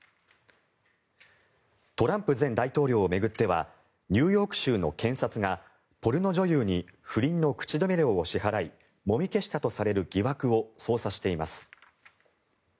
トランプ前大統領を巡ってはニューヨーク州の検察がポルノ女優に不倫の口止め料を支払いもみ消したとされる疑惑を捜査しています。